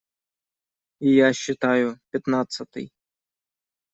И я считаю: пятнадцатый.